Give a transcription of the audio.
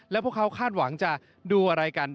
แล้วพวกเขาคาดหวังจะดูอะไรกัน